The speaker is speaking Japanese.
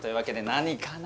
何かな？